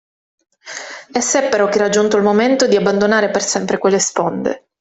E seppero che era giunto il momento di abbandonare per sempre quelle sponde.